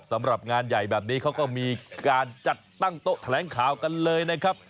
สำหรับงานใหญ่แบบนี้เขาก็มีการจัดตั้งโต๊ะแถลงข่าวกันเลยนะครับ